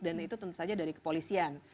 dan itu tentu saja dari kepolisian